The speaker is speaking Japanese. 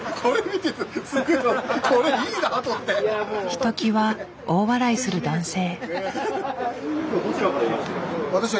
ひときわ大笑いする男性。